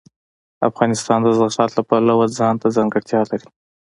افغانستان د زغال د پلوه ځانته ځانګړتیا لري.